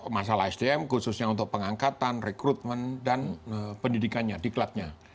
masalah sdm khususnya untuk pengangkatan rekrutmen dan pendidikannya diklatnya